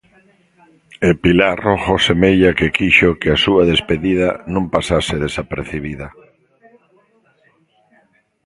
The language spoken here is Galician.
E Pilar Rojo semella que quixo que a súa despedida non pasase desapercibida.